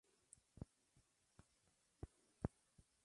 El edificio, de Caja España, fue proyectado por Jerónimo Arroyo.